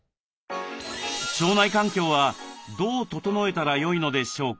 腸内環境はどう整えたらよいのでしょうか？